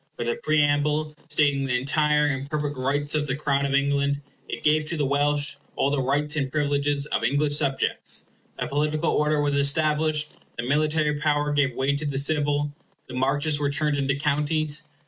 With a preamble stating the entire and perfect rights of the Crown of England, it gave to the Welsh all the rights and privileges of English subjects. A political order was established; the military power gave way to the civil; the Marches were turned into Counties.